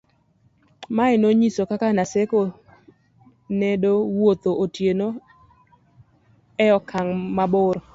mae no niyiso kaka Naseko nedo wuotho otieno e okang' mabor